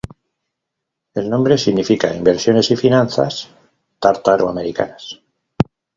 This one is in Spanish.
El nombre significa "Inversiones y Finanzas Tártaro-americanas".